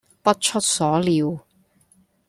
不出所料